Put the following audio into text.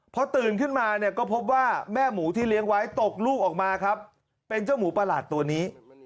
พอตื่นขึ้นมาเนี่ยก็พบว่าแม่หมูที่เลี้ยงไว้ตกลูกออกมาครับเป็นเจ้าหมูประหลาดตัวนี้